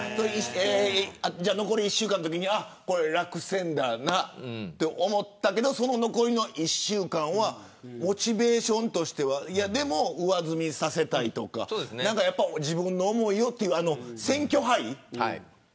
残り１週間のときにこれ落選だなと思ったけど残りの１週間はモチベーションとしては上積みさせたいとか自分の思いを、という選挙ハイ。